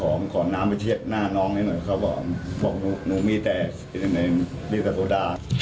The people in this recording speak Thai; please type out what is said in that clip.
ผมขอน้ำไปเทียบหน้าน้องให้หน่อยเขาบอกหนูมีแต่ดีโซดา